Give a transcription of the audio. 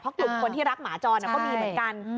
เพราะกลุ่มคนที่รักหมาจรก็มีเหมือนกัน